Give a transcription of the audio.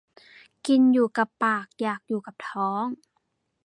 กินอยู่กับปากอยากอยู่กับท้อง